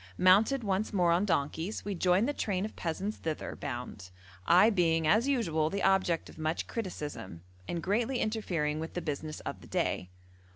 Mounted once more on donkeys, we joined the train of peasants thither bound; I being as usual the object of much criticism, and greatly interfering with the business of the day.